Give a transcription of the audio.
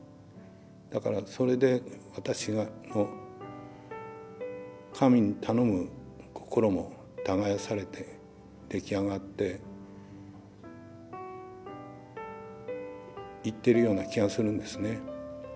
だからそれで私の神に頼む心も耕されて出来上がっていってるような気がするんですね。